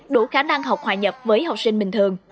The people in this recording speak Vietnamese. đủ khả năng học hòa nhập với học sinh bình thường